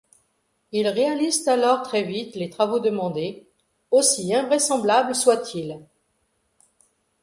Ils réalisent alors très vite les travaux demandés, aussi invraisemblables soient-ils.